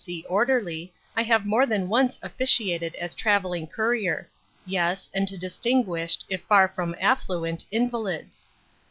C. orderly I have more than once officiated as travelling courier yes, and to distinguished, if far from affluent, invalids.